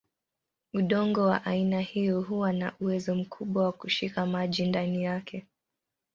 Udongo wa aina hiyo huwa na uwezo mkubwa wa kushika maji ndani yake.